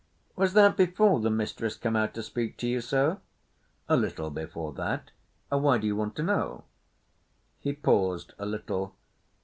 "Was that before the mistress come out to speak to you, Sir?" "A little before that. Why d'you want to know?" He paused a little.